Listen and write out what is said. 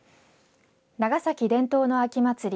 長崎伝統の秋祭り